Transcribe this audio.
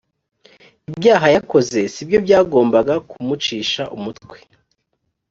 ibyaha yakoze sibyo byagombaga ku mucisha umutwe